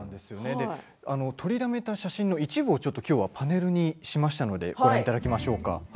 撮りだめた写真の一部をきょうはパネルにしましたのでご覧いただきましょうか。